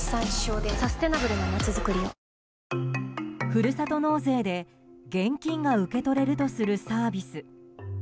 ふるさと納税で現金が受け取れるとされるサービス。